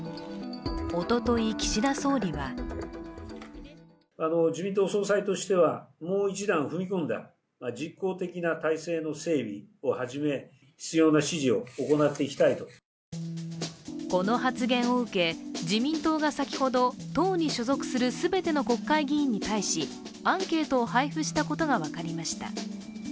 おととい、岸田総理はこの発言を受け、自民党が先ほど党に所属する全ての国会議員に対しアンケートを配付したことが分かりました。